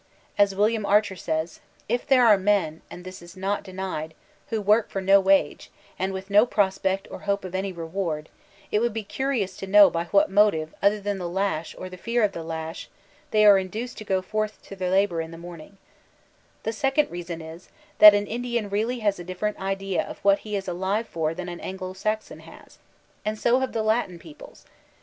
As WOliam Archer says : "If there are men, and this is not iim$d, who work for no wage, and with no prospect or 2yO VoLTAUtlNE DK ClEYBB hope of any reward, it would be curious to know hf what motive other than the lash or the fear of tiie lash, they are induced to go forth to their labor in the morning/' The second reason is, that an Indian really has a di£Ferent idea of what he is alive for than an Anglo Saxon has. And so have the Latin peoples.